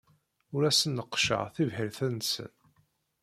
Ur asen-neqqceɣ tibḥirt-nsen.